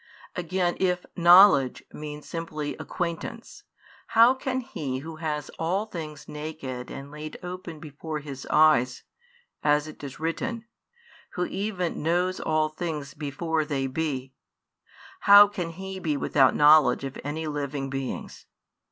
Again if "knowledge" means simply "acquaintance," how can He Who has all things naked and laid open before |83 His eyes, as it is written. Who even knows all things before they be, how can He be without knowledge of any living beings?